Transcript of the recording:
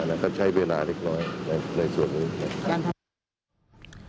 และก็ใช้เวลาเล็กในส่วนนี้